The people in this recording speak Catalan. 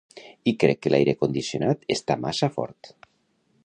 I crec que l'aire condicionat està massa fort.